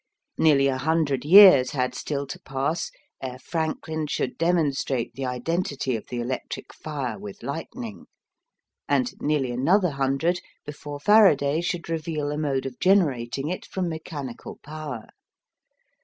Nearly a hundred years had still to pass ere Franklin should demonstrate the identity of the electric fire with lightning, and nearly another hundred before Faraday should reveal a mode of generating it from mechanical power.